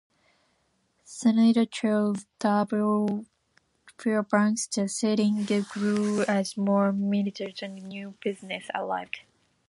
Senator Charles W. Fairbanks, the settlement grew as more miners and new businesses arrived.